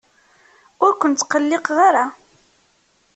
Ur ken-ttqelliqeɣ ara.